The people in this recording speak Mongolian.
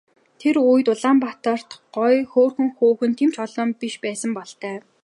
Тэр үед Улаанбаатарт гоё хөөрхөн хүүхэн тийм ч олон биш байсан бололтой.